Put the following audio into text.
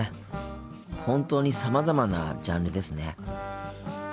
本当にさまざまなジャンルですね。